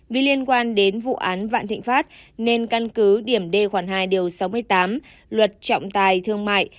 vì liên quan đến vụ án vạn thịnh pháp nên căn cứ điểm d khoản hai điều sáu mươi tám luật trọng tài thương mại